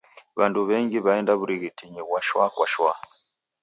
W'andu w'engi w'aenda w'urighitinyi ghwa shwa kwa shwa.